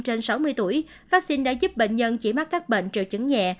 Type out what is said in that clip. trên sáu mươi tuổi vaccine đã giúp bệnh nhân chỉ mắc các bệnh triệu chứng nhẹ